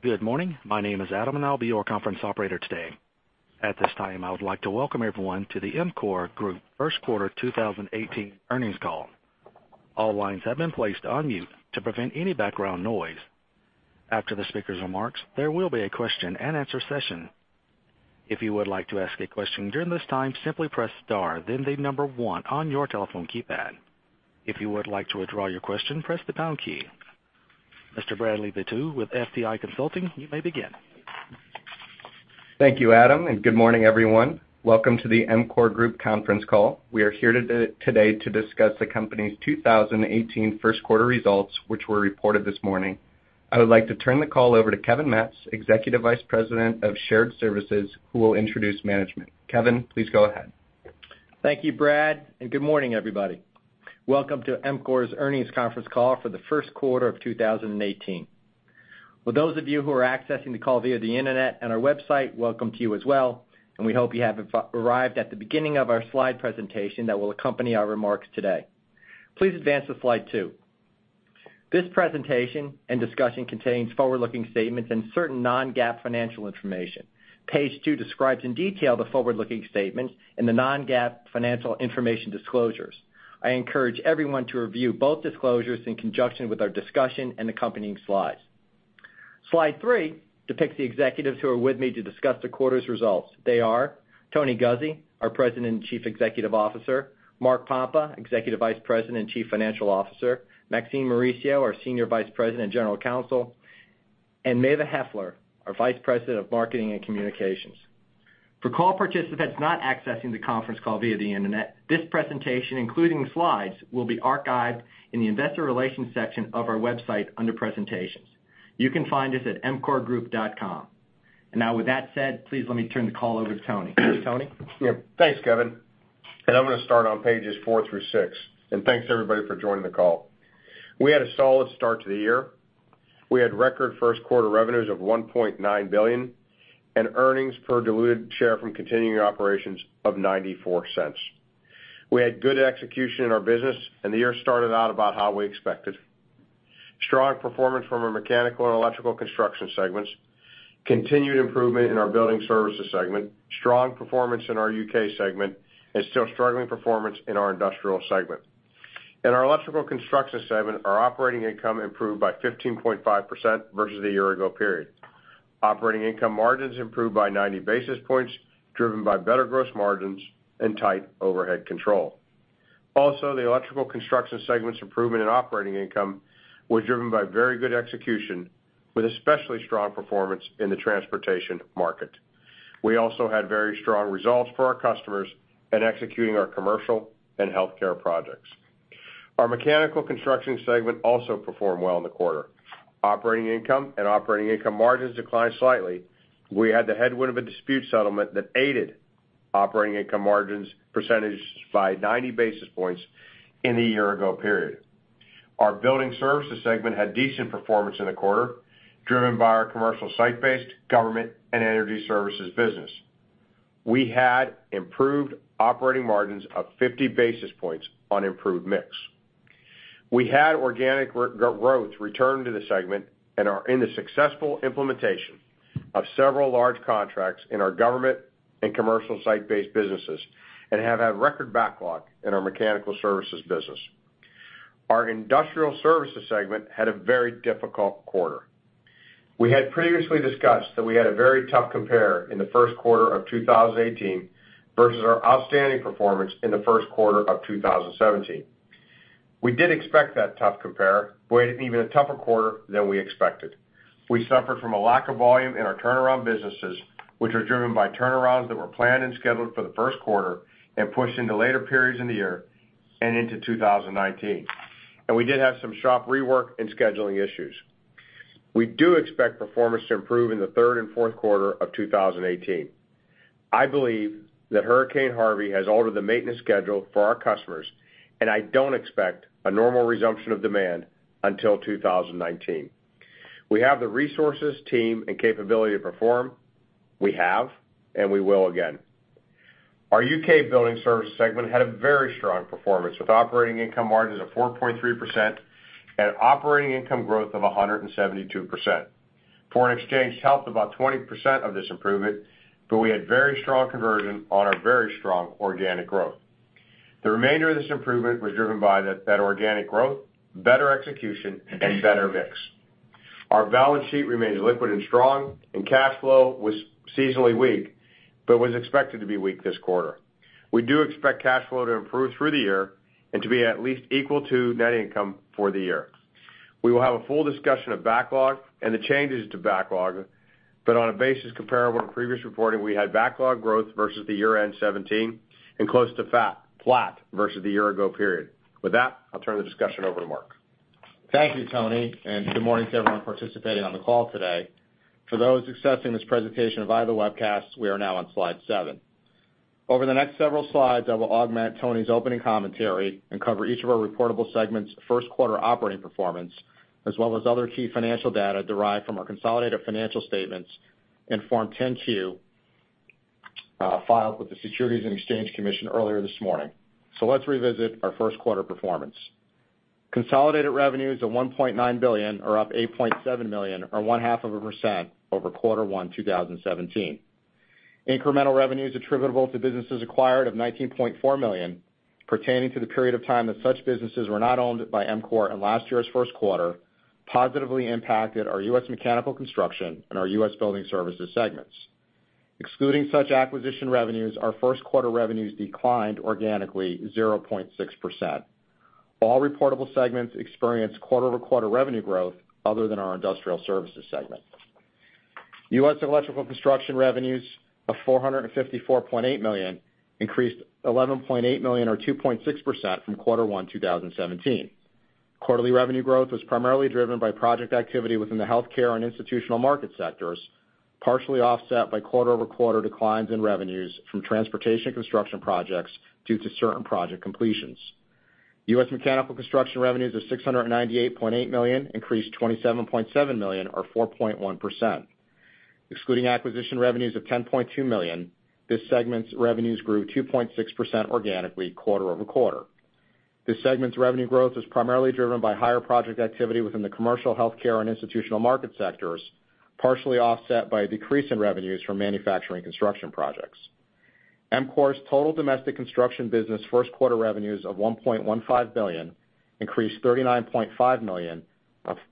Good morning. My name is Adam, I'll be your conference operator today. At this time, I would like to welcome everyone to the EMCOR Group first quarter 2018 earnings call. All lines have been placed on mute to prevent any background noise. After the speaker's remarks, there will be a question and answer session. If you would like to ask a question during this time, simply press star, then the number one on your telephone keypad. If you would like to withdraw your question, press the pound key. Mr. Jamie Baird with FTI Consulting, you may begin. Thank you, Adam, good morning, everyone. Welcome to the EMCOR Group conference call. We are here today to discuss the company's 2018 first quarter results, which were reported this morning. I would like to turn the call over to Kevin Matz, Executive Vice President of Shared Services, who will introduce management. Kevin, please go ahead. Thank you, Jamie, good morning, everybody. Welcome to EMCOR's earnings conference call for the first quarter of 2018. For those of you who are accessing the call via the internet and our website, welcome to you as well, we hope you have arrived at the beginning of our slide presentation that will accompany our remarks today. Please advance to slide two. This presentation and discussion contains forward-looking statements and certain non-GAAP financial information. Page two describes in detail the forward-looking statements and the non-GAAP financial information disclosures. I encourage everyone to review both disclosures in conjunction with our discussion and accompanying slides. Slide three depicts the executives who are with me to discuss the quarter's results. They are Tony Guzzi, our President and Chief Executive Officer. Mark Pompa, Executive Vice President and Chief Financial Officer. Maxine Mauricio, our Senior Vice President and General Counsel. Mava Heffler, our Vice President of Marketing and Communications. For call participants not accessing the conference call via the internet, this presentation, including the slides, will be archived in the investor relations section of our website under presentations. You can find us at emcorgroup.com. Now, with that said, please let me turn the call over to Tony. Tony? Thanks, Kevin. I'm going to start on pages 4 through 6. Thanks, everybody, for joining the call. We had a solid start to the year. We had record first quarter revenues of $1.9 billion and earnings per diluted share from continuing operations of $0.94. We had good execution in our business, and the year started out about how we expected. Strong performance from our Mechanical and Electrical Construction segments, continued improvement in our Building Services segment, strong performance in our U.K. segment, and still struggling performance in our Industrial segment. In our Electrical Construction segment, our operating income improved by 15.5% versus the year ago period. Operating income margins improved by 90 basis points, driven by better gross margins and tight overhead control. The Electrical Construction segment's improvement in operating income was driven by very good execution, with especially strong performance in the transportation market. We also had very strong results for our customers in executing our commercial and healthcare projects. Our Mechanical Construction segment also performed well in the quarter. Operating income and operating income margins declined slightly. We had the headwind of a dispute settlement that aided operating income margins percentage by 90 basis points in the year ago period. Our Building Services segment had decent performance in the quarter, driven by our commercial site-based government and energy services business. We had improved operating margins of 50 basis points on improved mix. We had organic growth return to the segment and are in the successful implementation of several large contracts in our government and commercial site-based businesses, and have had record backlog in our mechanical services business. Our Industrial Services segment had a very difficult quarter. We had previously discussed that we had a very tough compare in the first quarter of 2018 versus our outstanding performance in the first quarter of 2017. We did expect that tough compare, but it was even a tougher quarter than we expected. We suffered from a lack of volume in our turnaround businesses, which were driven by turnarounds that were planned and scheduled for the first quarter and pushed into later periods in the year and into 2019. We did have some shop rework and scheduling issues. We do expect performance to improve in the third and fourth quarter of 2018. I believe that Hurricane Harvey has altered the maintenance schedule for our customers, and I don't expect a normal resumption of demand until 2019. We have the resources, team, and capability to perform. We have, and we will again. Our U.K. Building Services segment had a very strong performance, with operating income margins of 4.3% and operating income growth of 172%. Foreign exchange helped about 20% of this improvement, we had very strong conversion on our very strong organic growth. The remainder of this improvement was driven by that organic growth, better execution, and better mix. Our balance sheet remains liquid and strong, and cash flow was seasonally weak but was expected to be weak this quarter. We do expect cash flow to improve through the year and to be at least equal to net income for the year. We will have a full discussion of backlog and the changes to backlog, but on a basis comparable to previous reporting, we had backlog growth versus the year-end 2017 and close to flat versus the year ago period. With that, I'll turn the discussion over to Mark. Thank you, Tony, and good morning to everyone participating on the call today. For those accessing this presentation via the webcast, we are now on slide seven. Over the next several slides, I will augment Tony's opening commentary and cover each of our reportable segments' first quarter operating performance, as well as other key financial data derived from our consolidated financial statements in Form 10-Q Filed with the Securities and Exchange Commission earlier this morning. Let's revisit our first quarter performance. Consolidated revenues of $1.9 billion are up $8.7 million, or one-half of a percent over quarter one 2017. Incremental revenues attributable to businesses acquired of $19.4 million, pertaining to the period of time that such businesses were not owned by EMCOR in last year's first quarter, positively impacted our U.S. mechanical construction and our U.S. building services segments. Excluding such acquisition revenues, our first quarter revenues declined organically 0.6%. All reportable segments experienced quarter-over-quarter revenue growth other than our industrial services segment. U.S. electrical construction revenues of $454.8 million increased $11.8 million or 2.6% from quarter one 2017. Quarterly revenue growth was primarily driven by project activity within the healthcare and institutional market sectors, partially offset by quarter-over-quarter declines in revenues from transportation construction projects due to certain project completions. U.S. mechanical construction revenues of $698.8 million increased $27.7 million or 4.1%. Excluding acquisition revenues of $10.2 million, this segment's revenues grew 2.6% organically quarter-over-quarter. This segment's revenue growth was primarily driven by higher project activity within the commercial, healthcare, and institutional market sectors, partially offset by a decrease in revenues from manufacturing construction projects. EMCOR's total domestic construction business first quarter revenues of $1.15 billion increased $39.5 million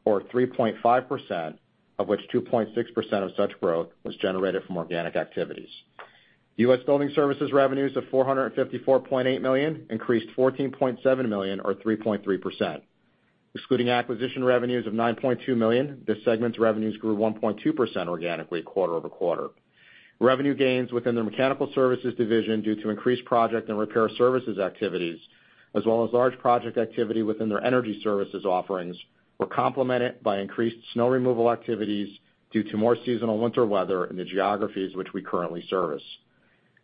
or 3.5%, of which 2.6% of such growth was generated from organic activities. U.S. building services revenues of $454.8 million increased $14.7 million or 3.3%. Excluding acquisition revenues of $9.2 million, this segment's revenues grew 1.2% organically quarter-over-quarter. Revenue gains within the mechanical services division due to increased project and repair services activities, as well as large project activity within their energy services offerings, were complemented by increased snow removal activities due to more seasonal winter weather in the geographies which we currently service.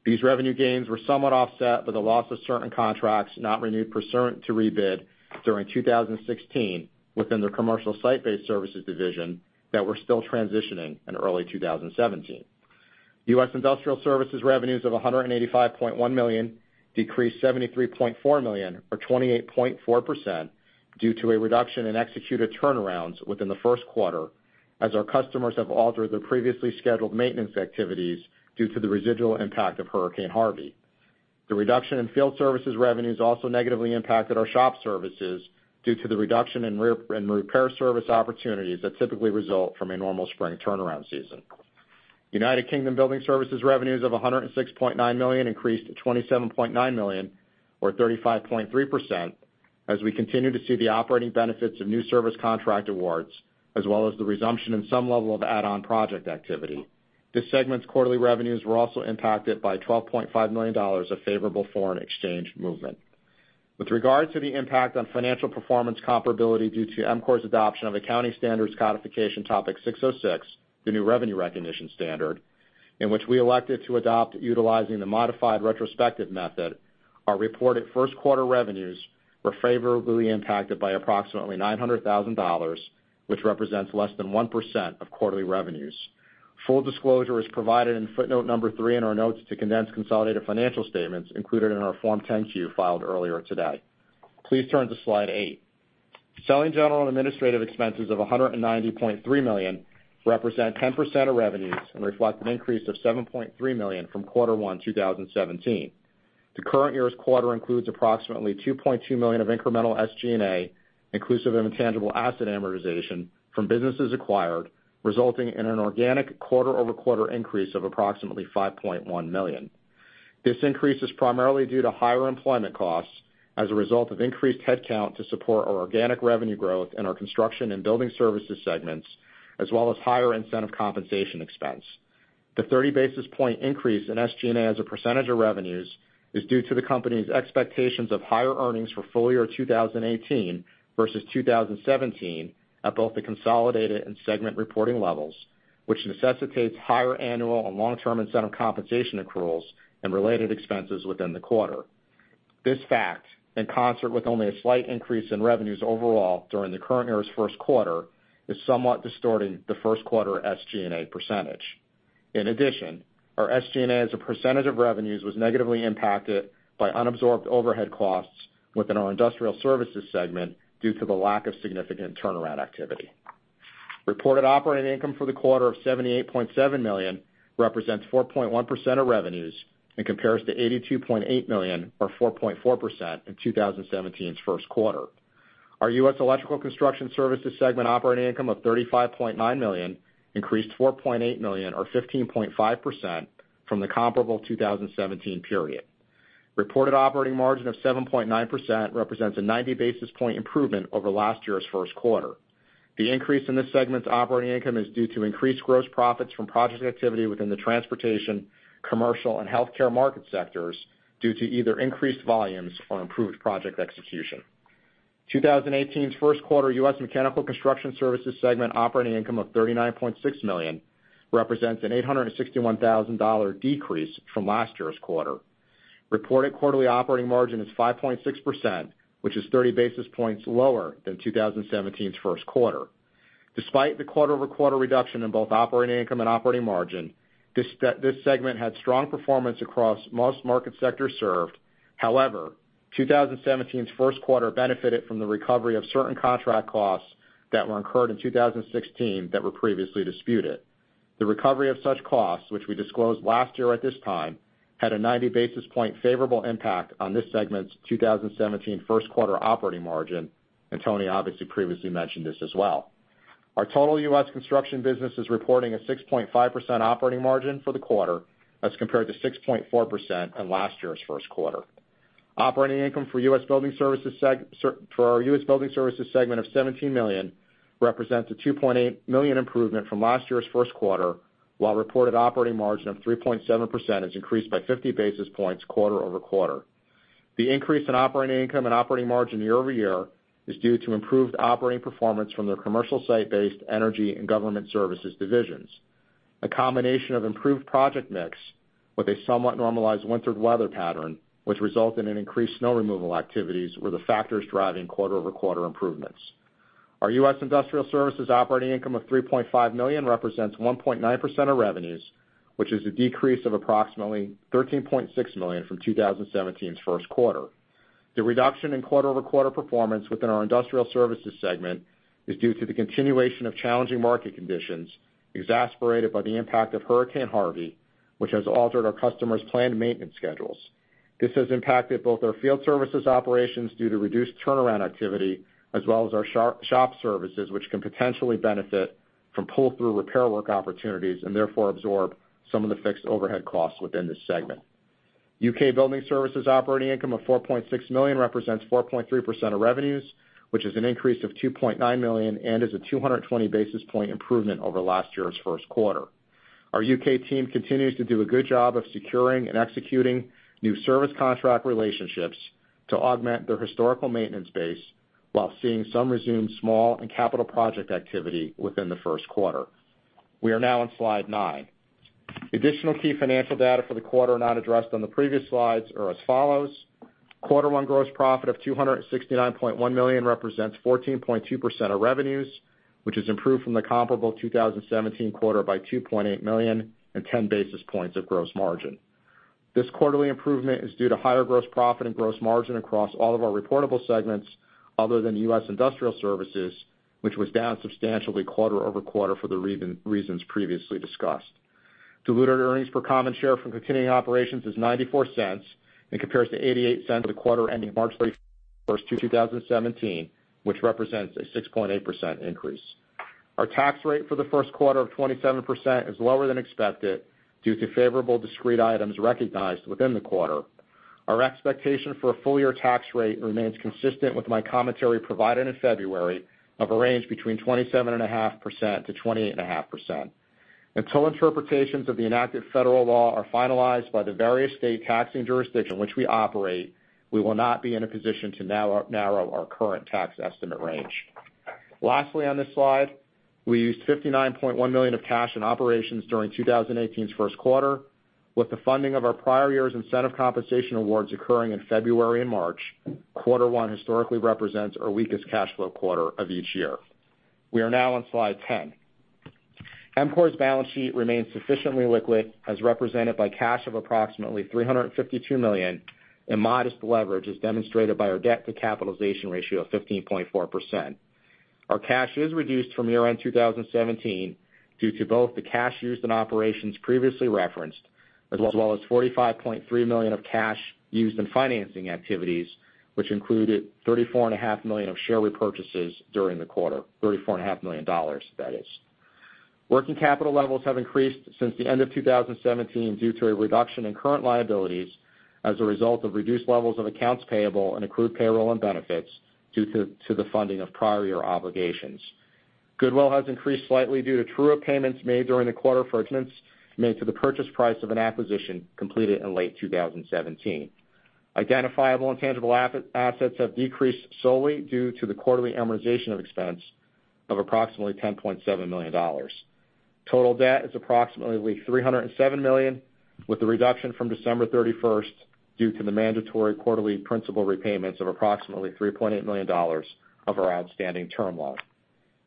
These revenue gains were somewhat offset by the loss of certain contracts not renewed pursuant to rebid during 2016 within the commercial site-based services division that were still transitioning in early 2017. U.S. industrial services revenues of $185.1 million decreased $73.4 million or 28.4% due to a reduction in executed turnarounds within the first quarter as our customers have altered their previously scheduled maintenance activities due to the residual impact of Hurricane Harvey. The reduction in field services revenues also negatively impacted our shop services due to the reduction in repair service opportunities that typically result from a normal spring turnaround season. United Kingdom Building Services revenues of $106.9 million increased to $27.9 million or 35.3% as we continue to see the operating benefits of new service contract awards, as well as the resumption in some level of add-on project activity. This segment's quarterly revenues were also impacted by $12.5 million of favorable foreign exchange movement. With regard to the impact on financial performance comparability due to EMCOR's adoption of Accounting Standards Codification Topic 606, the new revenue recognition standard, in which we elected to adopt utilizing the modified retrospective method, our reported first quarter revenues were favorably impacted by approximately $900,000, which represents less than 1% of quarterly revenues. Full disclosure is provided in footnote number three in our notes to condensed consolidated financial statements included in our Form 10-Q filed earlier today. Please turn to slide eight. Selling general and administrative expenses of $190.3 million represent 10% of revenues and reflect an increase of $7.3 million from quarter one 2017. The current year's quarter includes approximately $2.2 million of incremental SG&A, inclusive of intangible asset amortization from businesses acquired, resulting in an organic quarter-over-quarter increase of approximately $5.1 million. This increase is primarily due to higher employment costs as a result of increased headcount to support our organic revenue growth in our construction and building services segments, as well as higher incentive compensation expense. The 30 basis point increase in SG&A as a percentage of revenues is due to the company's expectations of higher earnings for full year 2018 versus 2017 at both the consolidated and segment reporting levels, which necessitates higher annual and long-term incentive compensation accruals and related expenses within the quarter. This fact, in concert with only a slight increase in revenues overall during the current year's first quarter, is somewhat distorting the first quarter SG&A percentage. In addition, our SG&A as a percentage of revenues was negatively impacted by unabsorbed overhead costs within our industrial services segment due to the lack of significant turnaround activity. Reported operating income for the quarter of $78.7 million represents 4.1% of revenues and compares to $82.8 million or 4.4% in 2017's first quarter. Our U.S. electrical construction services segment operating income of $35.9 million increased $4.8 million or 15.5% from the comparable 2017 period. Reported operating margin of 7.9% represents a 90-basis point improvement over last year's first quarter. The increase in this segment's operating income is due to increased gross profits from project activity within the transportation, commercial, and healthcare market sectors due to either increased volumes or improved project execution. 2018's first quarter U.S. mechanical construction services segment operating income of $39.6 million represents an $861,000 decrease from last year's quarter. Reported quarterly operating margin is 5.6%, which is 30 basis points lower than 2017's first quarter. Despite the quarter-over-quarter reduction in both operating income and operating margin, this segment had strong performance across most market sectors served. However, 2017's first quarter benefited from the recovery of certain contract costs that were incurred in 2016 that were previously disputed. The recovery of such costs, which we disclosed last year at this time, had a 90 basis point favorable impact on this segment's 2017 first quarter operating margin, and Tony obviously previously mentioned this as well. Our total U.S. construction business is reporting a 6.5% operating margin for the quarter as compared to 6.4% in last year's first quarter. Operating income for our U.S. building services segment of $17 million represents a $2.8 million improvement from last year's first quarter, while reported operating margin of 3.7% is increased by 50 basis points quarter-over-quarter. The increase in operating income and operating margin year-over-year is due to improved operating performance from their commercial site-based energy and government services divisions. A combination of improved project mix with a somewhat normalized winter weather pattern, which resulted in increased snow removal activities, were the factors driving quarter-over-quarter improvements. Our U.S. Industrial Services operating income of $3.5 million represents 1.9% of revenues, which is a decrease of approximately $13.6 million from 2017's first quarter. The reduction in quarter-over-quarter performance within our industrial services segment is due to the continuation of challenging market conditions, exacerbated by the impact of Hurricane Harvey, which has altered our customers' planned maintenance schedules. This has impacted both our field services operations due to reduced turnaround activity, as well as our shop services, which can potentially benefit from pull-through repair work opportunities and therefore absorb some of the fixed overhead costs within this segment. U.K. Building Services operating income of $4.6 million represents 4.3% of revenues, which is an increase of $2.9 million and is a 220 basis point improvement over last year's first quarter. Our U.K. team continues to do a good job of securing and executing new service contract relationships to augment their historical maintenance base while seeing some resumed small and capital project activity within the first quarter. We are now on slide nine. Additional key financial data for the quarter not addressed on the previous slides are as follows. Quarter one gross profit of $269.1 million represents 14.2% of revenues, which has improved from the comparable 2017 quarter by $2.8 million and 10 basis points of gross margin. This quarterly improvement is due to higher gross profit and gross margin across all of our reportable segments other than U.S. Industrial Services, which was down substantially quarter-over-quarter for the reasons previously discussed. Diluted earnings per common share from continuing operations is $0.94 and compares to $0.88 for the quarter ending March 31st, 2017, which represents a 6.8% increase. Our tax rate for the first quarter of 27% is lower than expected due to favorable discrete items recognized within the quarter. Our expectation for a full-year tax rate remains consistent with my commentary provided in February of a range between 27.5%-28.5%. Until interpretations of the enacted federal law are finalized by the various state taxing jurisdictions in which we operate, we will not be in a position to narrow our current tax estimate range. Lastly, on this slide, we used $59.1 million of cash in operations during 2018's first quarter with the funding of our prior year's incentive compensation awards occurring in February and March. Quarter one historically represents our weakest cash flow quarter of each year. We are now on slide 10. EMCOR's balance sheet remains sufficiently liquid, as represented by cash of approximately $352 million, and modest leverage is demonstrated by our debt to capitalization ratio of 15.4%. Our cash is reduced from year-end 2017 due to both the cash used in operations previously referenced, as well as $45.3 million of cash used in financing activities, which included $34.5 million of share repurchases during the quarter. Working capital levels have increased since the end of 2017 due to a reduction in current liabilities as a result of reduced levels of accounts payable and accrued payroll and benefits due to the funding of prior year obligations. Goodwill has increased slightly due to true-up payments made during the quarter for assessments made to the purchase price of an acquisition completed in late 2017. Identifiable intangible assets have decreased solely due to the quarterly amortization of expense of approximately $10.7 million. Total debt is approximately $307 million, with a reduction from December 31st due to the mandatory quarterly principal repayments of approximately $3.8 million of our outstanding term loan.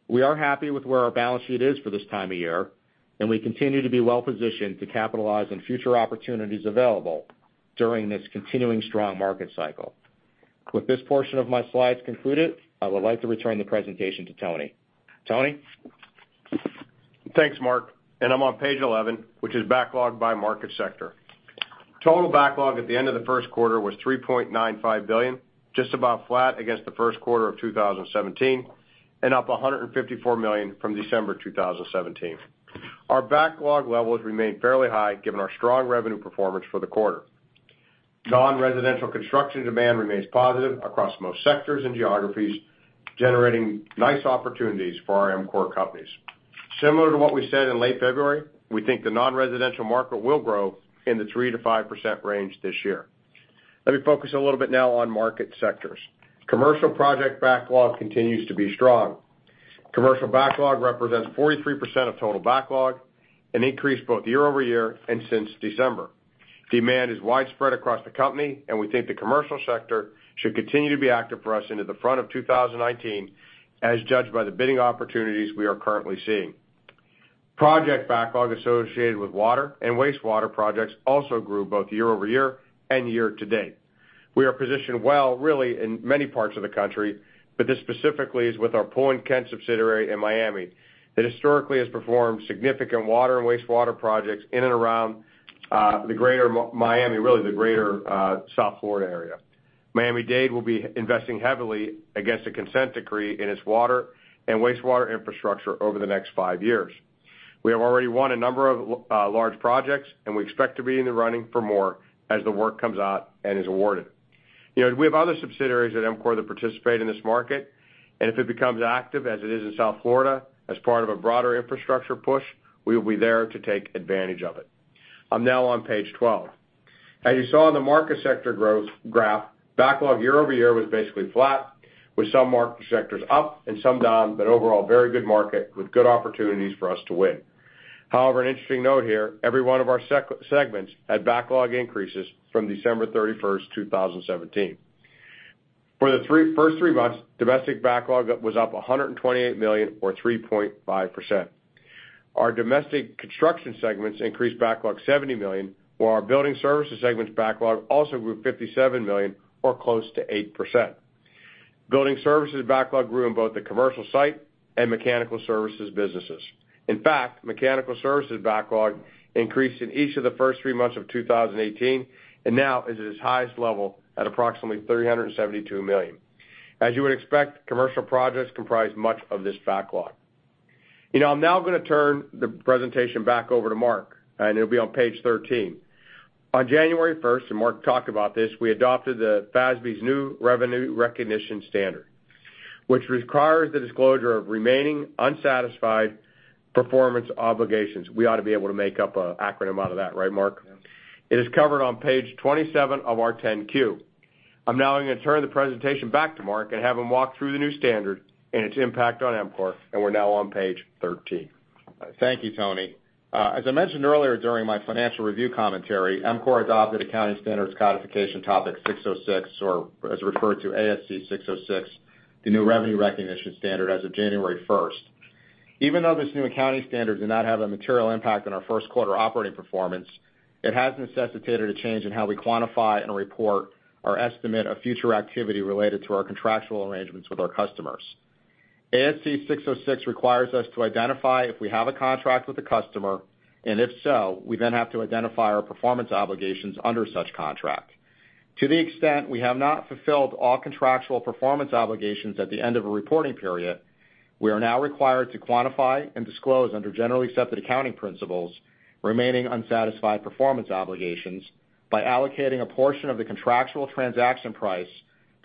We are happy with where our balance sheet is for this time of year, and we continue to be well-positioned to capitalize on future opportunities available during this continuing strong market cycle. With this portion of my slides concluded, I would like to return the presentation to Tony. Tony? Thanks, Mark. I'm on page 11, which is Backlog by Market Sector. Total backlog at the end of the first quarter was $3.95 billion, just about flat against the first quarter of 2017, and up $154 million from December 2017. Our backlog levels remain fairly high given our strong revenue performance for the quarter. Non-residential construction demand remains positive across most sectors and geographies, generating nice opportunities for our EMCOR companies. Similar to what we said in late February, we think the non-residential market will grow in the 3%-5% range this year. Let me focus a little bit now on market sectors. Commercial project backlog continues to be strong. Commercial backlog represents 43% of total backlog and increased both year-over-year and since December. Demand is widespread across the company. We think the commercial sector should continue to be active for us into the front of 2019, as judged by the bidding opportunities we are currently seeing. Project backlog associated with water and wastewater projects also grew both year-over-year and year-to-date. We are positioned well really in many parts of the country, but this specifically is with our Poole & Kent subsidiary in Miami, that historically has performed significant water and wastewater projects in and around the Greater Miami, really the Greater South Florida area. Miami-Dade will be investing heavily against a consent decree in its water and wastewater infrastructure over the next five years. We have already won a number of large projects. We expect to be in the running for more as the work comes out and is awarded. We have other subsidiaries at EMCOR that participate in this market, and if it becomes active as it is in South Florida, as part of a broader infrastructure push, we will be there to take advantage of it. I'm now on page 12. As you saw in the market sector growth graph, backlog year-over-year was basically flat with some market sectors up and some down, but overall a very good market with good opportunities for us to win. However, an interesting note here, every one of our segments had backlog increases from December 31st, 2017. For the first three months, domestic backlog was up $128 million or 3.5%. Our domestic construction segments increased backlog $70 million, while our building services segment backlog also grew $57 million or close to 8%. Building services backlog grew in both the commercial site and mechanical services businesses. In fact, mechanical services backlog increased in each of the first three months of 2018 and now is at its highest level at approximately $372 million. As you would expect, commercial projects comprise much of this backlog. I'm now going to turn the presentation back over to Mark, and it'll be on page 13. On January 1st, and Mark talked about this, we adopted the FASB's new revenue recognition standard, which requires the disclosure of remaining unsatisfied performance obligations. We ought to be able to make up an acronym out of that, right, Mark? Yes. It is covered on page 27 of our 10-Q. I'm now going to turn the presentation back to Mark and have him walk through the new standard and its impact on EMCOR, and we're now on page 13. Thank you, Tony. As I mentioned earlier during my financial review commentary, EMCOR adopted Accounting Standards Codification Topic 606, or as referred to ASC 606, the new revenue recognition standard as of January 1st. Even though this new accounting standard did not have a material impact on our first quarter operating performance, it has necessitated a change in how we quantify and report our estimate of future activity related to our contractual arrangements with our customers. ASC 606 requires us to identify if we have a contract with the customer, and if so, we then have to identify our performance obligations under such contract. To the extent we have not fulfilled all contractual performance obligations at the end of a reporting period, we are now required to quantify and disclose under generally accepted accounting principles, remaining unsatisfied performance obligations by allocating a portion of the contractual transaction price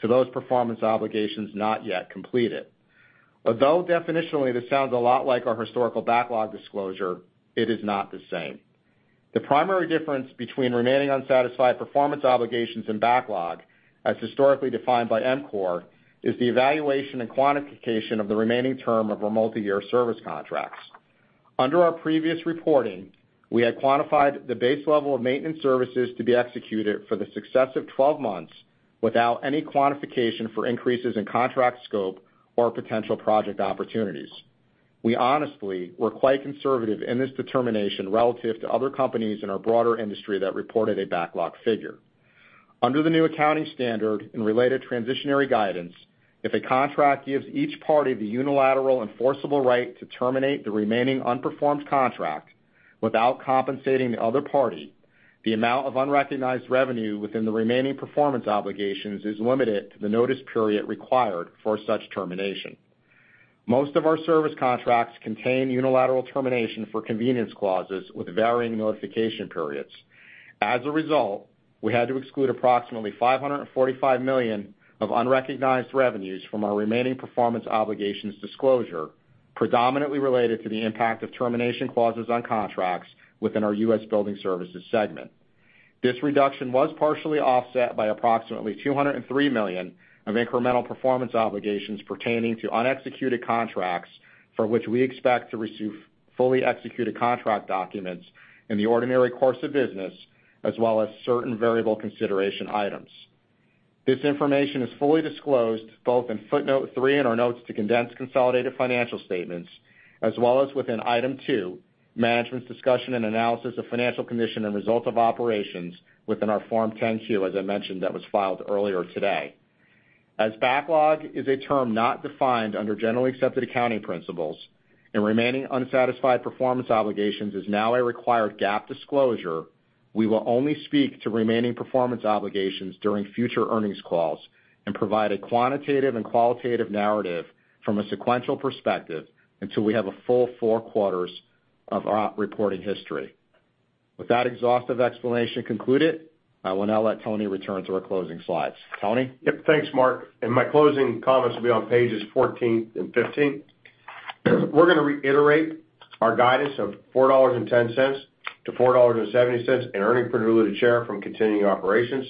to those performance obligations not yet completed. Although definitionally this sounds a lot like our historical backlog disclosure, it is not the same. The primary difference between remaining unsatisfied performance obligations and backlog, as historically defined by EMCOR, is the evaluation and quantification of the remaining term of our multi-year service contracts. Under our previous reporting, we had quantified the base level of maintenance services to be executed for the success of 12 months without any quantification for increases in contract scope or potential project opportunities. We honestly were quite conservative in this determination relative to other companies in our broader industry that reported a backlog figure. Under the new accounting standard and related transitionary guidance, if a contract gives each party the unilateral enforceable right to terminate the remaining unperformed contract without compensating the other party, the amount of unrecognized revenue within the remaining performance obligations is limited to the notice period required for such termination. Most of our service contracts contain unilateral termination for convenience clauses with varying notification periods. As a result, we had to exclude approximately $545 million of unrecognized revenues from our remaining performance obligations disclosure, predominantly related to the impact of termination clauses on contracts within our U.S. building services segment. This reduction was partially offset by approximately $203 million of incremental performance obligations pertaining to unexecuted contracts, for which we expect to receive fully executed contract documents in the ordinary course of business, as well as certain variable consideration items. This information is fully disclosed both in footnote three in our notes to condensed consolidated financial statements, as well as within item two, management's discussion and analysis of financial condition and results of operations within our Form 10-Q, as I mentioned, that was filed earlier today. As backlog is a term not defined under generally accepted accounting principles, and remaining unsatisfied performance obligations is now a required GAAP disclosure, we will only speak to remaining performance obligations during future earnings calls and provide a quantitative and qualitative narrative from a sequential perspective until we have a full four quarters of our reporting history. With that exhaustive explanation concluded, I will now let Tony return to our closing slides. Tony? Yep. Thanks, Mark. My closing comments will be on pages 14 and 15. We're going to reiterate our guidance of $4.10-$4.70 in earnings per diluted share from continuing operations.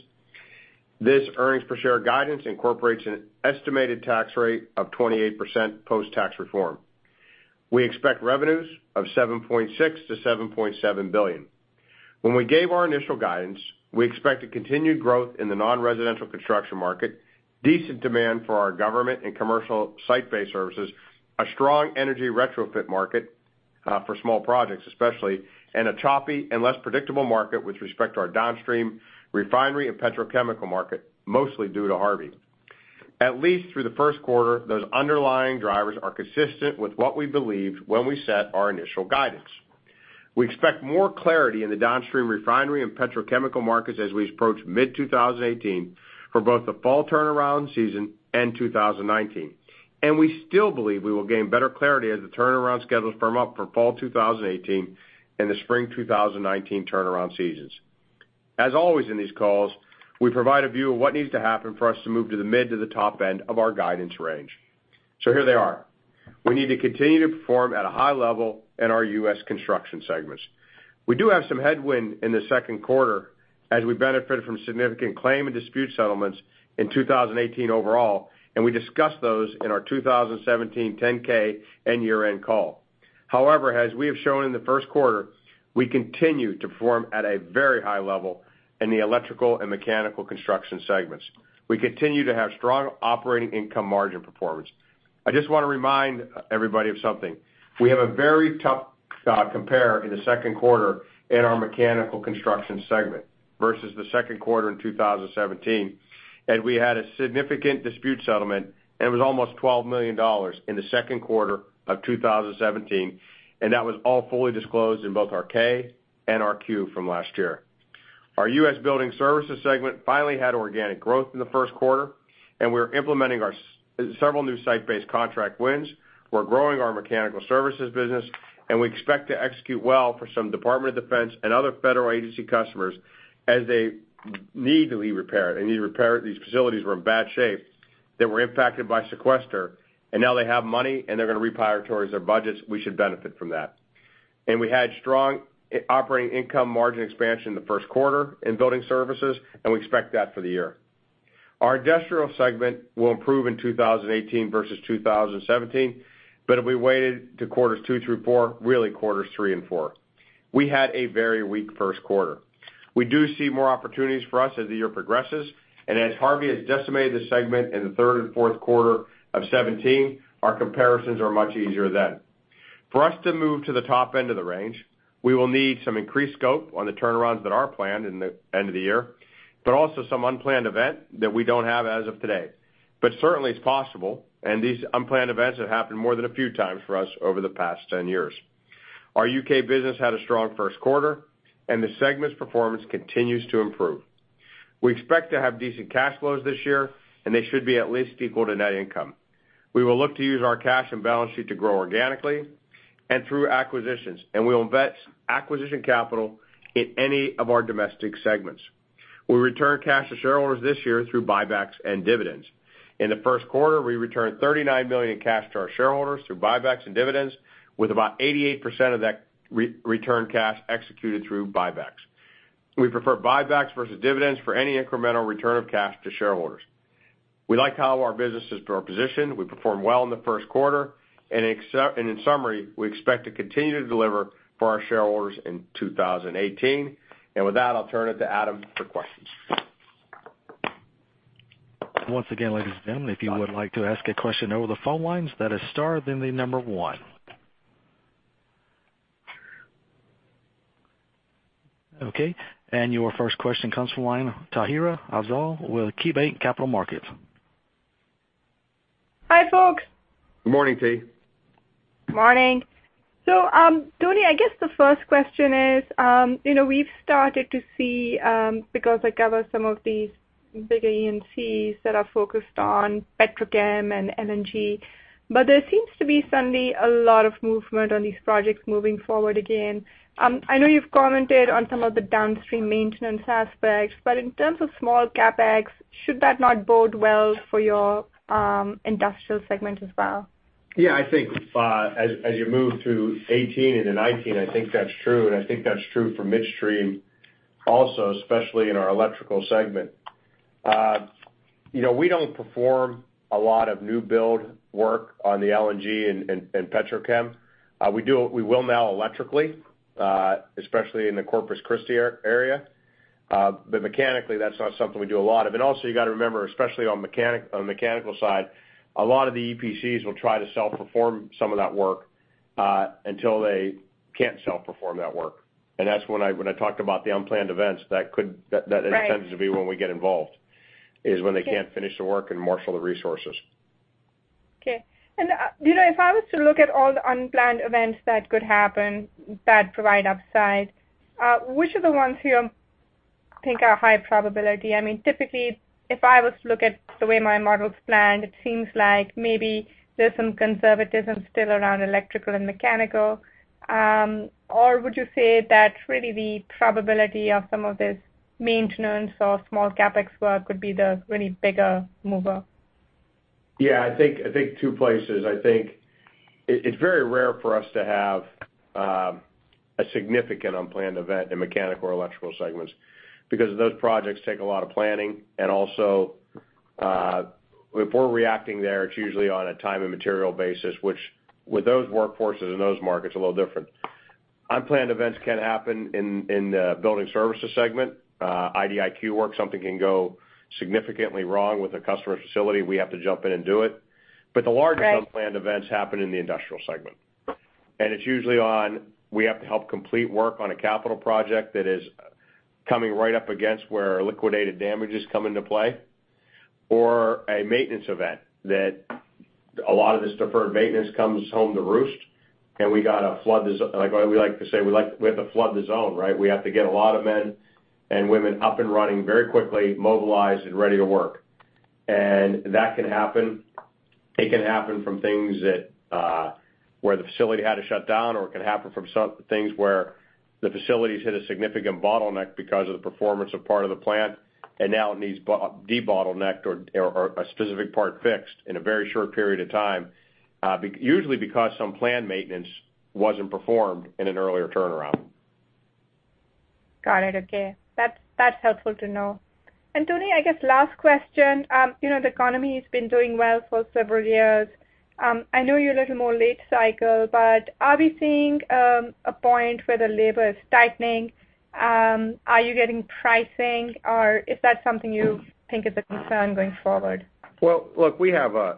This earnings per share guidance incorporates an estimated tax rate of 28% post-tax reform. We expect revenues of $7.6 billion-$7.7 billion. When we gave our initial guidance, we expect to continue growth in the non-residential construction market, decent demand for our government and commercial site-based services, a strong energy retrofit market for small projects especially, and a choppy and less predictable market with respect to our downstream refinery and petrochemical market, mostly due to Harvey. At least through the first quarter, those underlying drivers are consistent with what we believed when we set our initial guidance. We expect more clarity in the downstream refinery and petrochemical markets as we approach mid-2018 for both the fall turnaround season and 2019. We still believe we will gain better clarity as the turnaround schedules firm up for fall 2018 and the spring 2019 turnaround seasons. As always in these calls, we provide a view of what needs to happen for us to move to the mid to the top end of our guidance range. Here they are. We need to continue to perform at a high level in our U.S. construction segments. We do have some headwind in the second quarter as we benefit from significant claim and dispute settlements in 2018 overall. We discussed those in our 2017 10-K and year-end call. However, as we have shown in the first quarter, we continue to perform at a very high level in the electrical and mechanical construction segments. We continue to have strong operating income margin performance. I just want to remind everybody of something. We have a very tough compare in the second quarter in our mechanical construction segment versus the second quarter in 2017, and we had a significant dispute settlement, and it was almost $12 million in the second quarter of 2017, and that was all fully disclosed in both our K and our Q from last year. Our U.S. building services segment finally had organic growth in the first quarter, and we're implementing several new site-based contract wins. We're growing our mechanical services business, and we expect to execute well for some Department of Defense and other federal agency customers as they need to repair these facilities were in bad shape, that were impacted by sequester, and now they have money, and they're going to reprioritize their budgets. We should benefit from that. We had strong operating income margin expansion in the first quarter in building services, and we expect that for the year. Our industrial segment will improve in 2018 versus 2017, but it'll be weighted to quarters two through four, really quarters three and four. We had a very weak first quarter. We do see more opportunities for us as the year progresses. As Harvey has decimated the segment in the third and fourth quarter of 2017, our comparisons are much easier then. For us to move to the top end of the range, we will need some increased scope on the turnarounds that are planned in the end of the year, also some unplanned event that we don't have as of today. Certainly, it's possible, and these unplanned events have happened more than a few times for us over the past 10 years. Our U.K. business had a strong first quarter, and the segment's performance continues to improve. We expect to have decent cash flows this year, and they should be at least equal to net income. We will look to use our cash and balance sheet to grow organically and through acquisitions, and we'll invest acquisition capital in any of our domestic segments. We'll return cash to shareholders this year through buybacks and dividends. In the first quarter, we returned $39 million in cash to our shareholders through buybacks and dividends, with about 88% of that return cash executed through buybacks. We prefer buybacks versus dividends for any incremental return of cash to shareholders. We like how our businesses are positioned. We performed well in the first quarter. In summary, we expect to continue to deliver for our shareholders in 2018. With that, I'll turn it to Adam for questions. Once again, ladies and gentlemen, if you would like to ask a question over the phone lines, that is star 1. Your first question comes from the line Tahira Afzal with KeyBanc Capital Markets. Hi, folks. Good morning, Tahira. Morning. Tony, I guess the first question is, we've started to see, because I cover some of these bigger E&Cs that are focused on petrochem and LNG, there seems to be suddenly a lot of movement on these projects moving forward again. I know you've commented on some of the downstream maintenance aspects, in terms of small CapEx, should that not bode well for your industrial segment as well? Yeah, I think as you move through 2018 into 2019, I think that's true, and I think that's true for midstream also, especially in our electrical segment. We don't perform a lot of new build work on the LNG and petrochem. We will now electrically, especially in the Corpus Christi area. Mechanically, that's not something we do a lot of. Also, you got to remember, especially on the mechanical side, a lot of the EPCs will try to self-perform some of that work, until they can't self-perform that work. That's when I talked about the unplanned events. Right That tends to be when we get involved, is when they can't finish the work and marshal the resources. Okay. If I was to look at all the unplanned events that could happen that provide upside, which are the ones you think are high probability? Typically, if I was to look at the way my model's planned, it seems like maybe there's some conservatism still around electrical and mechanical. Would you say that really the probability of some of this maintenance or small CapEx work could be the really bigger mover? Yeah, I think two places. I think it's very rare for us to have a significant unplanned event in mechanical or electrical segments because those projects take a lot of planning. Also, if we're reacting there, it's usually on a time and material basis, which with those workforces in those markets, are a little different. Unplanned events can happen in the building services segment, IDIQ work, something can go significantly wrong with a customer facility, we have to jump in and do it. Right. The largest unplanned events happen in the industrial segment. It's usually on, we have to help complete work on a capital project that is coming right up against where liquidated damages come into play, or a maintenance event that a lot of this deferred maintenance comes home to roost, and we like to say, we have to flood the zone, right? We have to get a lot of men and women up and running very quickly, mobilized and ready to work. That can happen. It can happen from things where the facility had to shut down, or it can happen from things where the facilities hit a significant bottleneck because of the performance of part of the plant, and now it needs de-bottlenecked or a specific part fixed in a very short period of time, usually because some planned maintenance wasn't performed in an earlier turnaround. Got it. Okay. That's helpful to know. Tony, I guess last question. The economy has been doing well for several years. I know you're a little more late cycle, but are we seeing a point where the labor is tightening? Are you getting pricing or is that something you think is a concern going forward? Well, look, price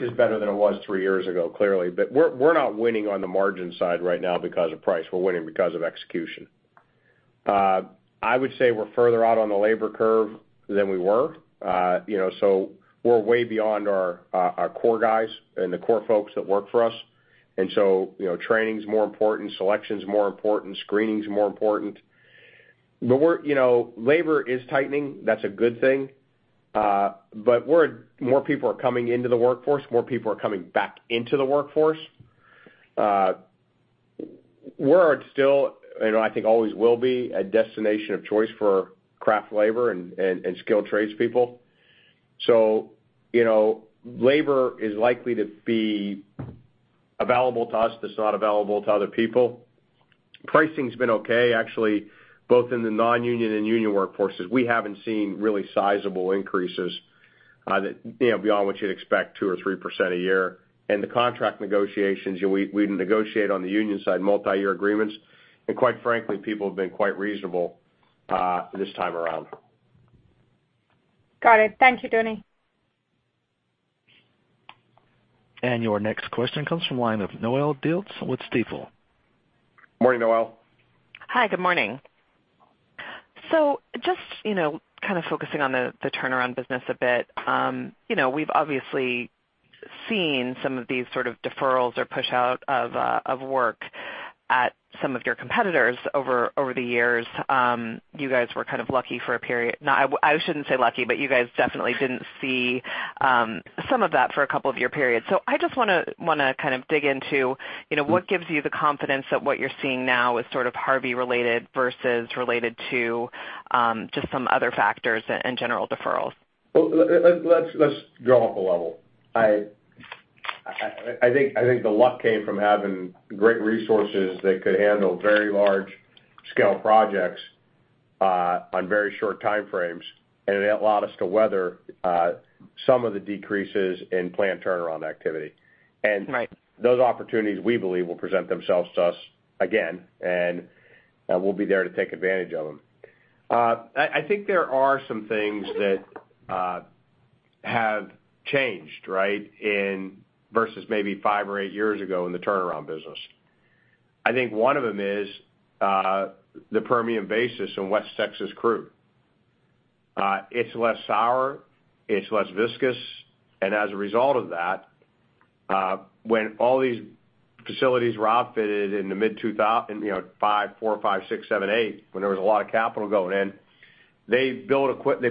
is better than it was three years ago, clearly. We're not winning on the margin side right now because of price. We're winning because of execution. I would say we're further out on the labor curve than we were. We're way beyond our core guys and the core folks that work for us. Training's more important, selection's more important, screening's more important. Labor is tightening. That's a good thing. More people are coming into the workforce. More people are coming back into the workforce. We're still, I think always will be, a destination of choice for craft labor and skilled trades people. Labor is likely to be available to us that's not available to other people. Pricing's been okay, actually, both in the non-union and union workforces. We haven't seen really sizable increases beyond what you'd expect 2% or 3% a year. In the contract negotiations, we negotiate on the union side multi-year agreements, and quite frankly, people have been quite reasonable this time around. Got it. Thank you, Tony. Your next question comes from line of Noelle Dilts with Stifel. Morning, Noelle. Hi, good morning. Just kind of focusing on the turnaround business a bit. We've obviously seen some of these sort of deferrals or push-out of work at some of your competitors over the years. You guys were kind of lucky for a period. I shouldn't say lucky, but you guys definitely didn't see some of that for a couple of year periods. I just want to kind of dig into what gives you the confidence that what you're seeing now is sort of Harvey related versus related to just some other factors and general deferrals? Let's go up a level. I think the luck came from having great resources that could handle very large-scale projects on very short time frames, and it allowed us to weather some of the decreases in plant turnaround activity. Right. Those opportunities, we believe, will present themselves to us again, and we'll be there to take advantage of them. I think there are some things that have changed, right? Versus maybe five or eight years ago in the turnaround business. I think one of them is the Permian Basin and West Texas crude. It's less sour, it's less viscous, and as a result of that, when all these facilities were outfitted in the mid-2005, 2004, 2005, 2006, 2007, 2008, when there was a lot of capital going in. They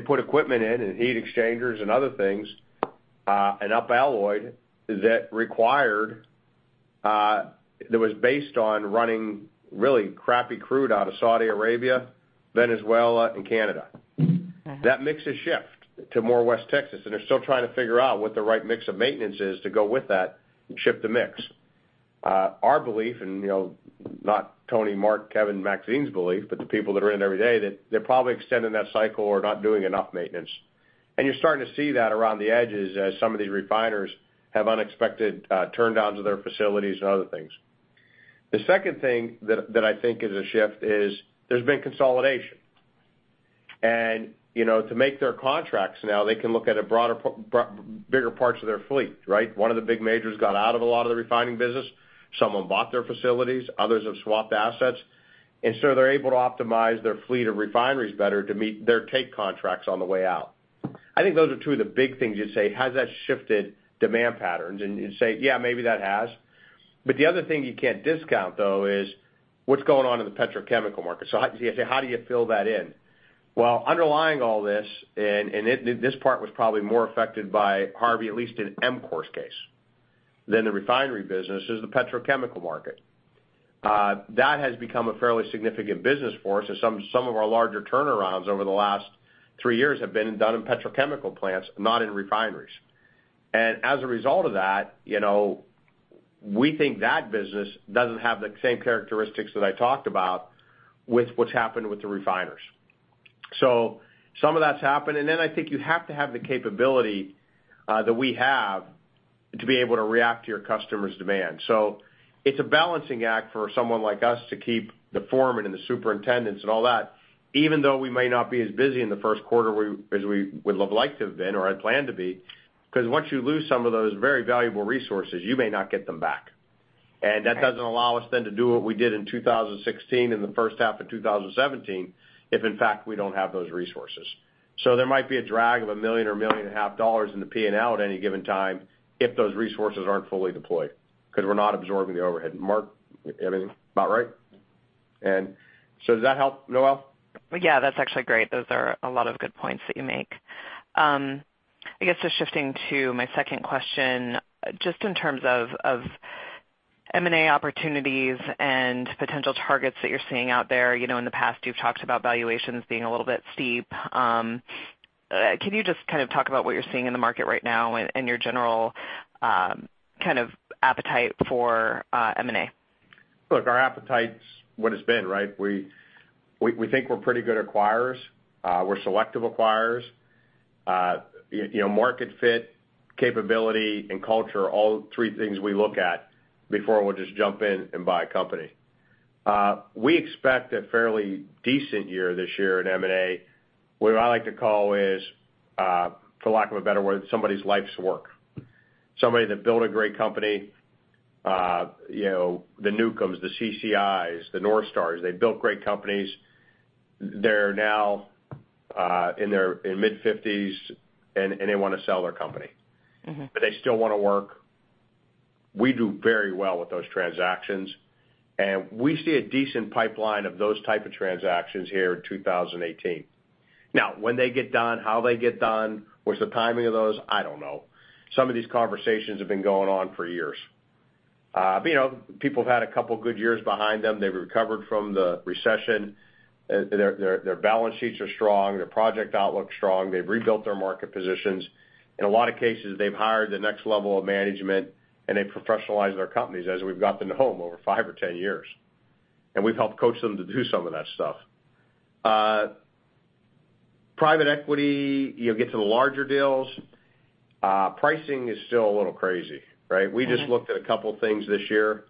put equipment in and heat exchangers and other things, and up alloyed that was based on running really crappy crude out of Saudi Arabia, Venezuela, and Canada. That mix has shifted to more West Texas, and they're still trying to figure out what the right mix of maintenance is to go with that and shift the mix. Our belief, and not Tony, Mark, Kevin, Maxine's belief, but the people that are in there every day, that they're probably extending that cycle or not doing enough maintenance. You're starting to see that around the edges as some of these refiners have unexpected turndowns of their facilities and other things. The second thing that I think is a shift is there's been consolidation. To make their contracts now, they can look at bigger parts of their fleet, right? One of the big majors got out of a lot of the refining business. Someone bought their facilities, others have swapped assets. They're able to optimize their fleet of refineries better to meet their take contracts on the way out. I think those are two of the big things you'd say. Has that shifted demand patterns? You'd say, "Yeah, maybe that has." The other thing you can't discount, though, is what's going on in the petrochemical market. How do you fill that in? Well, underlying all this, and this part was probably more affected by Hurricane Harvey, at least in EMCOR's case than the refinery business is the petrochemical market. That has become a fairly significant business for us, as some of our larger turnarounds over the last three years have been done in petrochemical plants, not in refineries. As a result of that, we think that business doesn't have the same characteristics that I talked about with what's happened with the refiners. Some of that's happened. I think you have to have the capability that we have to be able to react to your customers' demand. It's a balancing act for someone like us to keep the foremen and the superintendents and all that, even though we may not be as busy in the first quarter as we would like to have been or had planned to be, because once you lose some of those very valuable resources, you may not get them back. That doesn't allow us then to do what we did in 2016 and the first half of 2017, if in fact, we don't have those resources. There might be a drag of $1 million or $1.5 million in the P&L at any given time if those resources aren't fully deployed, because we're not absorbing the overhead. Mark, everything about right? Does that help, Noelle? Yeah, that's actually great. Those are a lot of good points that you make. I guess, just shifting to my second question, just in terms of M&A opportunities and potential targets that you're seeing out there. In the past, you've talked about valuations being a little bit steep. Can you just talk about what you're seeing in the market right now and your general appetite for M&A? Look, our appetite's what it's been, right? We think we're pretty good acquirers. We're selective acquirers. Market fit, capability, and culture are all three things we look at before we'll just jump in and buy a company. We expect a fairly decent year this year in M&A, what I like to call is, for lack of a better word, somebody's life's work. Somebody that built a great company, the Newcombs, the CCIs, the North Stars. They built great companies. They're now in their mid-50s, and they want to sell their company. They still want to work. We do very well with those transactions, and we see a decent pipeline of those type of transactions here in 2018. Now, when they get done, how they get done, what's the timing of those, I don't know. Some of these conversations have been going on for years. People have had a couple good years behind them. They've recovered from the recession. Their balance sheets are strong. Their project outlook's strong. They've rebuilt their market positions. In a lot of cases, they've hired the next level of management, and they professionalized their companies as we've gotten to know them over five or 10 years. We've helped coach them to do some of that stuff. Private equity, you get to the larger deals pricing is still a little crazy, right? We just looked at a couple things this year,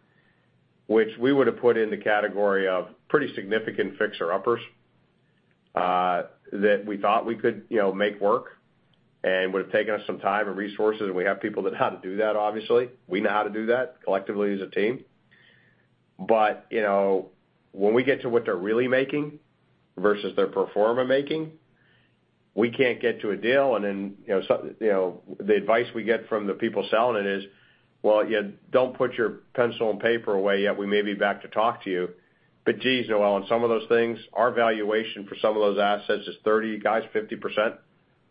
which we would've put in the category of pretty significant fixer-uppers, that we thought we could make work and would've taken us some time and resources, and we have people that know how to do that, obviously. We know how to do that collectively as a team. When we get to what they're really making versus their pro forma making, we can't get to a deal, and then the advice we get from the people selling it is, "Well, don't put your pencil and paper away yet. We may be back to talk to you." Geez, Noelle, on some of those things, our valuation for some of those assets is 30, gosh, 50%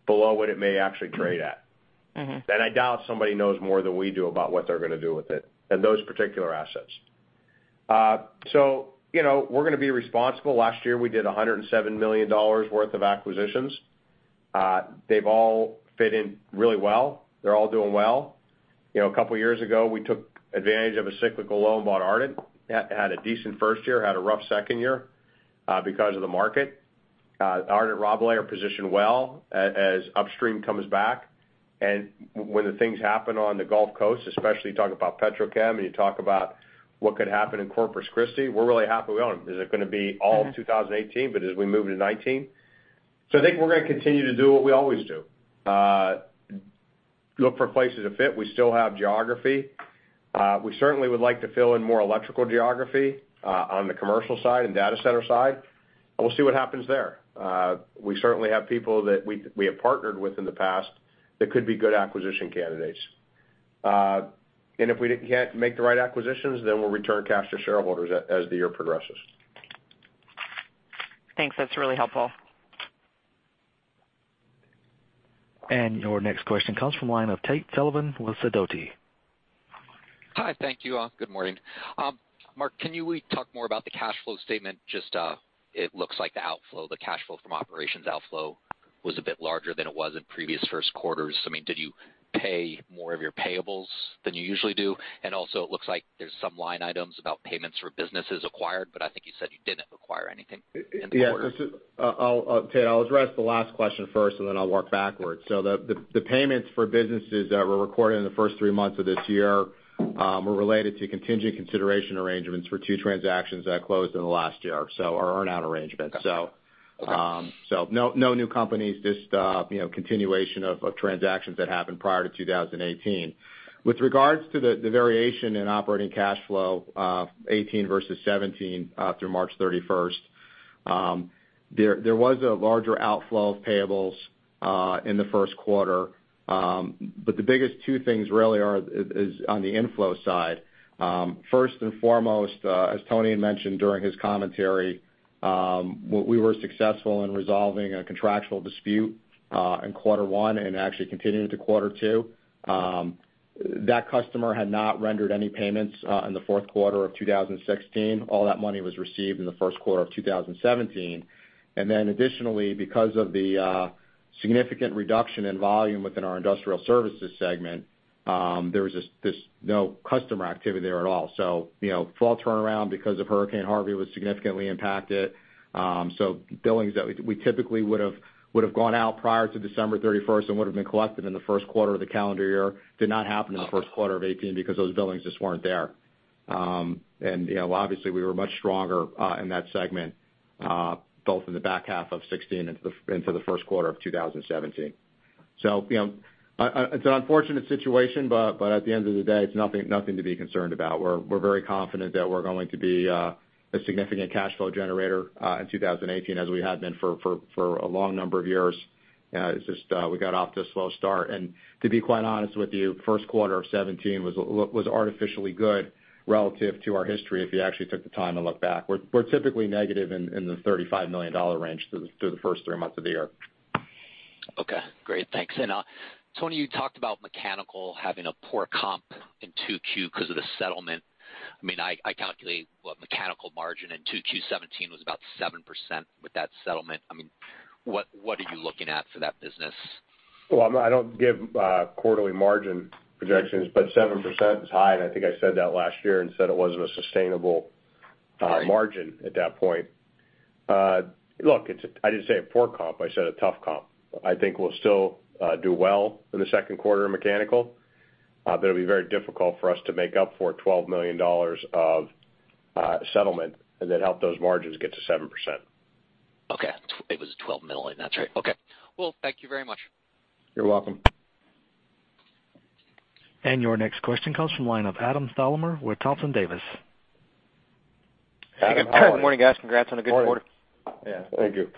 below what it may actually trade at. I doubt somebody knows more than we do about what they're going to do with it and those particular assets. We're going to be responsible. Last year, we did $107 million worth of acquisitions. They've all fit in really well. They're all doing well. A couple years ago, we took advantage of a cyclical low and bought Ardent. Had a decent first year, had a rough second year because of the market. Ardent and Rabalais are positioned well as upstream comes back. When the things happen on the Gulf Coast, especially talk about petrochem, and you talk about what could happen in Corpus Christi, we're really happy we own them. Is it going to be all of 2018, but as we move into 2019? I think we're going to continue to do what we always do. Look for places that fit. We still have geography. We certainly would like to fill in more electrical geography on the commercial side and data center side, and we'll see what happens there. We certainly have people that we have partnered with in the past that could be good acquisition candidates. If we can't make the right acquisitions, we'll return cash to shareholders as the year progresses. Thanks. That's really helpful. Your next question comes from line of Tate Sullivan with Sidoti. Hi. Thank you. Good morning. Mark, can you talk more about the cash flow statement? Just it looks like the outflow, the cash flow from operations outflow was a bit larger than it was in previous first quarters. Did you pay more of your payables than you usually do? Also, it looks like there's some line items about payments for businesses acquired, but I think you said you didn't acquire anything in the quarter. Yeah. Tate, I'll address the last question first, then I'll work backwards. The payments for businesses that were recorded in the first three months of this year were related to contingent consideration arrangements for two transactions that closed in the last year, so our earn-out arrangement. Okay. No new companies, just continuation of transactions that happened prior to 2018. With regards to the variation in operating cash flow of 2018 versus 2017 through March 31st, there was a larger outflow of payables in the first quarter. The biggest two things really are on the inflow side. First and foremost, as Tony had mentioned during his commentary We were successful in resolving a contractual dispute in quarter one actually continued into quarter two. That customer had not rendered any payments in the fourth quarter of 2016. All that money was received in the first quarter of 2017. Additionally, because of the significant reduction in volume within our industrial services segment, there was just no customer activity there at all. Fall turnaround, because of Hurricane Harvey, was significantly impacted. Billings that we typically would have gone out prior to December 31st and would have been collected in the first quarter of the calendar year, did not happen in the first quarter of 2018 because those billings just weren't there. Obviously, we were much stronger in that segment, both in the back half of 2016 into the first quarter of 2017. It's an unfortunate situation, at the end of the day, it's nothing to be concerned about. We're very confident that we're going to be a significant cash flow generator in 2018, as we have been for a long number of years. It's just, we got off to a slow start. To be quite honest with you, first quarter of 2017 was artificially good relative to our history, if you actually took the time to look back. We're typically negative in the $35 million range through the first three months of the year. Okay. Great. Thanks. Tony, you talked about mechanical having a poor comp in 2Q because of the settlement. I calculate mechanical margin in 2Q 2017 was about 7% with that settlement. What are you looking at for that business? Well, I don't give quarterly margin projections, but 7% is high, and I think I said that last year and said it wasn't a sustainable margin at that point. Look, I didn't say a poor comp, I said a tough comp. I think we'll still do well in the second quarter of mechanical, but it'll be very difficult for us to make up for $12 million of settlement and then help those margins get to 7%. Okay. It was $12 million. That's right. Okay. Well, thank you very much. You're welcome. Your next question comes from line of Adam Thalhimer with Thompson Davis. Adam, how are you? Good morning, guys. Congrats on a good quarter. Morning. Yeah, thank you.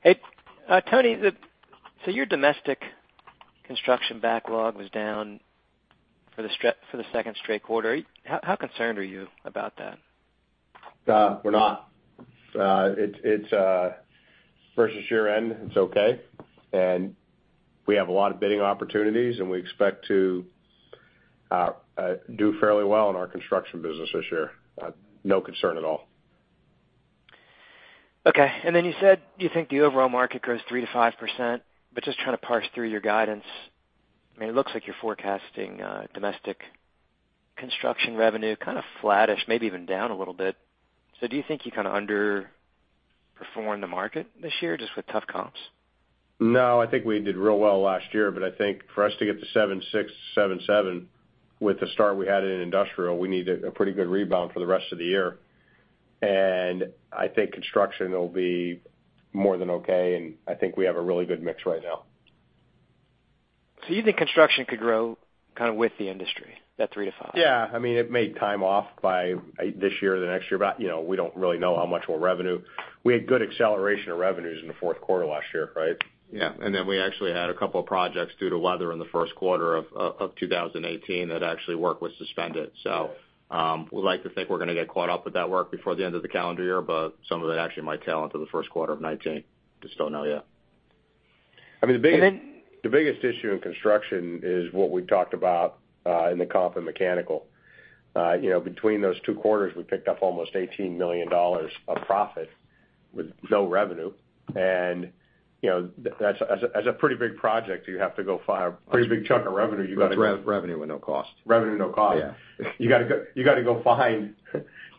Hey, Tony, your domestic construction backlog was down for the second straight quarter. How concerned are you about that? We're not. Versus year-end, it's okay. We have a lot of bidding opportunities, and we expect to do fairly well in our construction business this year. No concern at all. Okay. You said you think the overall market grows 3% to 5%, but just trying to parse through your guidance. It looks like you're forecasting domestic construction revenue kind of flattish, maybe even down a little bit. Do you think you kind of underperformed the market this year just with tough comps? No, I think we did real well last year, but I think for us to get to $7.6, $7.7 with the start we had in industrial, we need a pretty good rebound for the rest of the year. I think construction will be more than okay, and I think we have a really good mix right now. You think construction could grow with the industry, that 3%-5%? Yeah. It [may turn out to be] this year or the next year, but we don't really know how much more revenue. We had good acceleration of revenues in the fourth quarter last year, right? Yeah. We actually had a couple of projects due to weather in the first quarter of 2018 that actually work was suspended. We'd like to think we're going to get caught up with that work before the end of the calendar year, but some of it actually might tail into the first quarter of 2019. Just don't know yet. The biggest issue in construction is what we talked about in the comp in mechanical. Between those two quarters, we picked up almost $18 million of profit with no revenue. As a pretty big project, you have to go file-- pretty big chunk of revenue. Revenue with no cost revenue, no cost. Yeah. You got to go find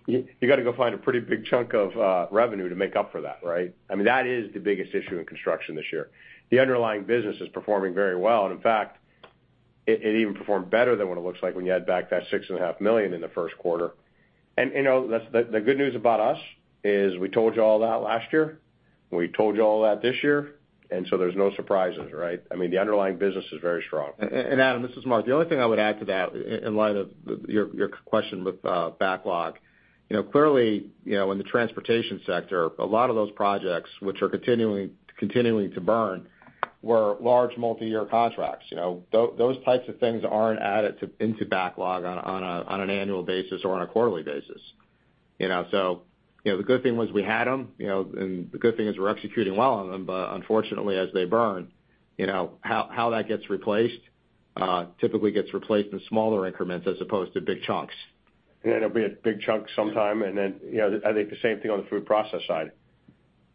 a pretty big chunk of revenue to make up for that, right? That is the biggest issue in construction this year. The underlying business is performing very well, and in fact, it even performed better than what it looks like when you add back that $6.5 million in the first quarter. The good news about us is we told you all that last year, and we told you all that this year, and so there's no surprises, right? The underlying business is very strong. Adam, this is Mark. The only thing I would add to that, in light of your question with backlog. Clearly, in the transportation sector, a lot of those projects, which are continuing to burn, were large multi-year contracts. Those types of things aren't added into backlog on an annual basis or on a quarterly basis. The good thing was we had them, and the good thing is we're executing well on them, but unfortunately, as they burn, how that gets replaced typically gets replaced in smaller increments as opposed to big chunks. It'll be a big chunk sometime, and then I think the same thing on the food process side.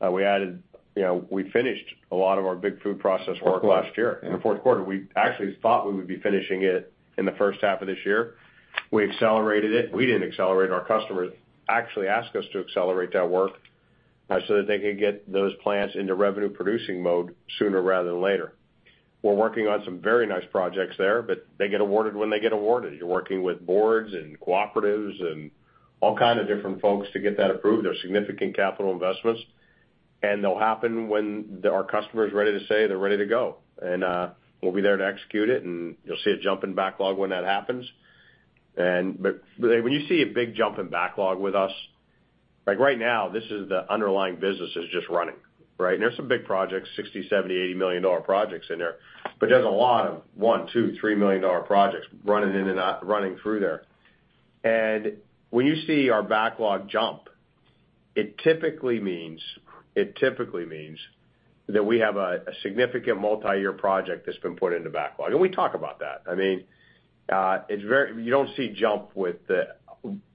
We finished a lot of our big food process work last year in the fourth quarter. We actually thought we would be finishing it in the first half of this year. We accelerated it. We didn't accelerate it, our customers actually asked us to accelerate that work so that they could get those plants into revenue-producing mode sooner rather than later. We're working on some very nice projects there, but they get awarded when they get awarded. You're working with boards and cooperatives and all kind of different folks to get that approved. They're significant capital investments, and they'll happen when our customer's ready to say they're ready to go. We'll be there to execute it, and you'll see a jump in backlog when that happens. When you see a big jump in backlog with us, like right now, this is the underlying business is just running. Right? There's some big projects, $60 million, $70 million, $80 million projects in there. There's a lot of $1 million, $2 million, $3 million projects running in and out, running through there. When you see our backlog jump, it typically means that we have a significant multi-year project that's been put into backlog. We talk about that. You don't see jump with the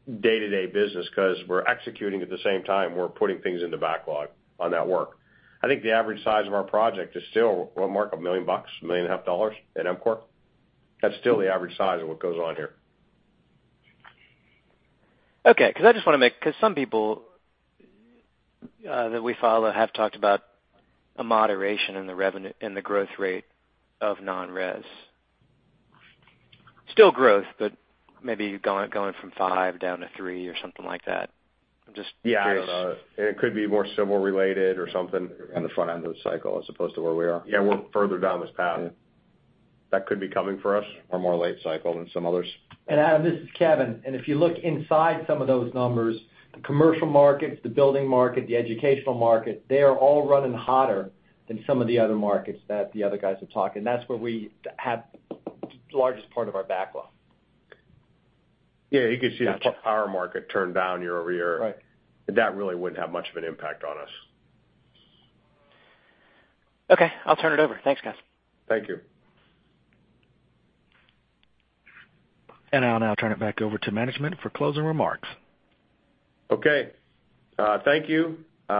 day-to-day business because we're executing at the same time we're putting things into backlog on that work. I think the average size of our project is still, what Mark, a million bucks, a million and a half dollars at EMCOR? That's still the average size of what goes on here. Okay, because some people that we follow have talked about a moderation in the growth rate of non-res. Still growth, but maybe going from five down to three or something like that. I'm just curious. Yeah, I don't know. It could be more civil related or something. On the front end of the cycle as opposed to where we are. Yeah, we're further down this path. Yeah. That could be coming for us. more late cycle than some others. Adam, this is Kevin. If you look inside some of those numbers, the commercial markets, the building market, the educational market, they are all running hotter than some of the other markets that the other guys are talking. That's where we have the largest part of our backlog. Yeah, you could see the power market turn down year-over-year. Right. That really wouldn't have much of an impact on us. Okay, I'll turn it over. Thanks, guys. Thank you. I'll now turn it back over to management for closing remarks. Okay. Thank you. There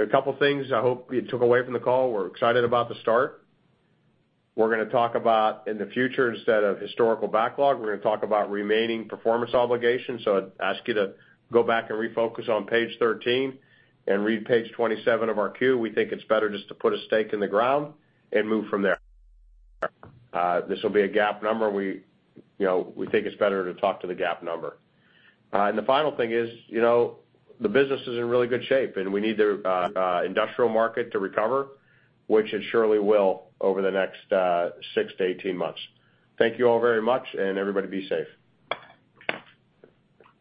are a couple things I hope you took away from the call. We're excited about the start. We're going to talk about in the future, instead of historical backlog, we're going to talk about remaining performance obligations. I'd ask you to go back and refocus on page 13 and read page 27 of our Q. We think it's better just to put a stake in the ground and move from there. This will be a GAAP number. We think it's better to talk to the GAAP number. The final thing is, the business is in really good shape, and we need the industrial market to recover, which it surely will over the next six to 18 months. Thank you all very much, and everybody be safe.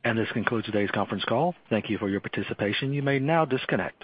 This concludes today's conference call. Thank you for your participation. You may now disconnect.